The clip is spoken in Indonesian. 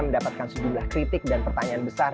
mendapatkan sejumlah kritik dan pertanyaan besar